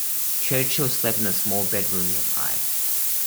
Churchill slept in a small bedroom nearby.